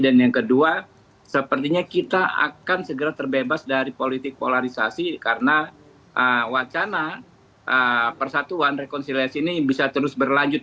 dan yang kedua sepertinya kita akan segera terbebas dari politik polarisasi karena wacana persatuan rekonsiliasi ini bisa terus berlanjut